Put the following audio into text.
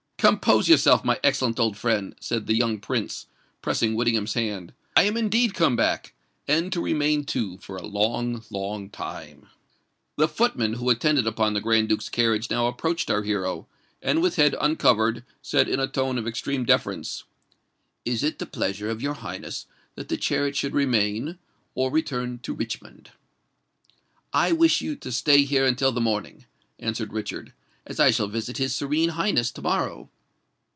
"Compose yourself, my excellent old friend," said the young Prince, pressing Whittingham's hand: "I am indeed come back—and to remain, too, for a long—long time." The footman who attended upon the Grand Duke's carriage now approached our hero, and with head uncovered, said in a tone of extreme deference, "Is it the pleasure of your Highness that the chariot should remain, or return to Richmond?" "I wish you to stay here until the morning," answered Richard; "as I shall visit his Serene Highness to morrow."